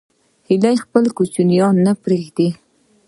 هیلۍ خپل کوچنیان نه پرېږدي